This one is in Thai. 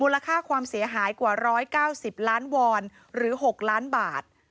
ราคาความเสียหายกว่า๑๙๐ล้านวอนหรือ๖ล้านบาท